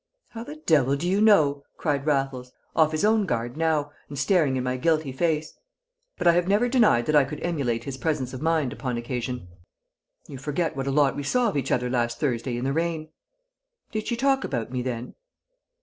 "How the devil do you know?" cried Raffles, off his own guard now, and staring in my guilty face. But I have never denied that I could emulate his presence of mind upon occasion. "You forget what a lot we saw of each other last Thursday in the rain." "Did she talk about me then?"